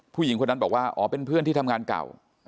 ผู้หญิงคนนั้นบอกว่าอ๋อเป็นเพื่อนที่ทำงานเก่า